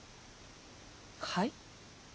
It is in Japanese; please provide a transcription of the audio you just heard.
はい？